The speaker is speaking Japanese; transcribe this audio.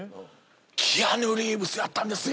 キアヌ・リーブスやったんですよ。